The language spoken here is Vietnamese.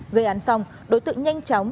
gây án xong đối tượng nhanh chóng